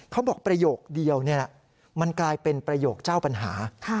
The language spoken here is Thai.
ประโยคเดียวมันกลายเป็นประโยคเจ้าปัญหา